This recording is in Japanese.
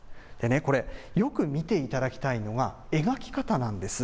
これ、よく見ていただきたいのが、描き方なんです。